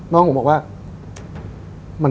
น้องทีมนูอกว่า